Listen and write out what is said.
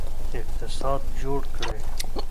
اقتصاد جوړ کړئ.